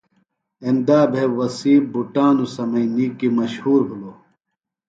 ایندا بھےۡ وسیع بُٹانُوۡ سمئینی کی مشہور بِھلوۡ۔